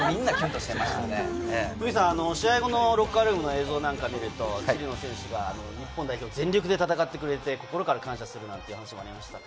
フミさん、試合後のロッカールームの映像を見ていると、日本代表、全力で戦ってくれて心から感謝するなんて話もありました。